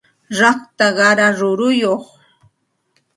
rakta qara ruruyuq